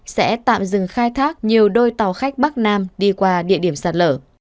sẽ tạm dừng khai thác nhiều đôi tàu khách bắc nam đi qua địa điểm sạt lở